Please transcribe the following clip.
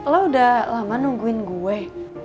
lo udah lama nungguin gue